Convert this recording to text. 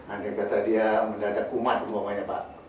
andai kata dia mendadak umat umpamanya pak